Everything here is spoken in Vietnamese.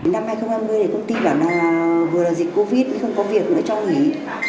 năm hai nghìn hai mươi thì công ty bảo là vừa là dịch covid không có việc nữa cho nghỉ